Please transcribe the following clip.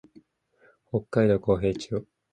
北海道古平町